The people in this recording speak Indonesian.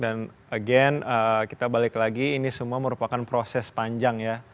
dan ya dan kita balik lagi ini semua merupakan proses panjang ya